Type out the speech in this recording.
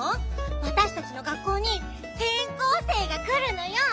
わたしたちの学校にてん校生がくるのよ。